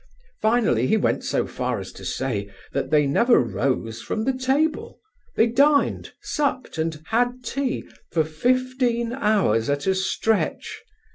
Finally, he went so far as to say that they never rose from the table; they dined, supped, and had tea, for fifteen hours at a stretch.